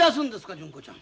純子ちゃん。